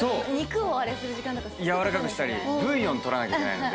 やわらかくしたりブイヨン取らなきゃいけないので。